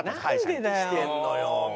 何してんのよ！